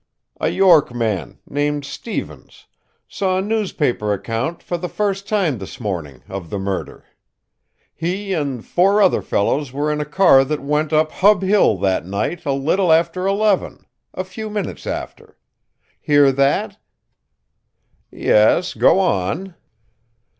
A York man, named Stevens, saw a newspaper account, for the first time this morning, of the murder. He and four other fellows were in a car that went up Hub Hill that night a little after eleven a few minutes after. Hear that?" "Yes. Go on."